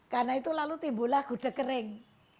karena itu lalu timbulah gudeg kering